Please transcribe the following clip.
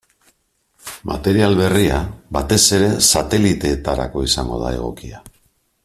Material berria batez ere sateliteetarako izango da egokia.